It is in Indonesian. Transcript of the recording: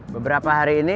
beberapa hari ini